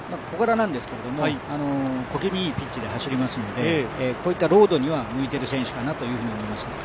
小柄ですけれども、小気味いいピッチで走りますので、こういったロードには向いてる選手かなと思います。